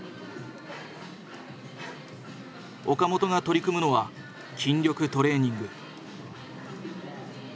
岡本が取り組むのは筋力トレーニング。